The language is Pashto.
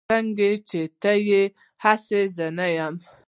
سنګه چې ته يي هسې زه نه يم